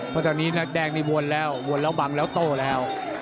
เหรอนี้แดงนี่วนแล้ววนแล้วบังแล้วโตแล้ว